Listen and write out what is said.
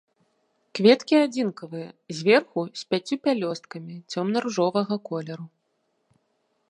Кветкі адзінкавыя, зверху, з пяццю пялёсткамі, цёмна-ружовага колеру.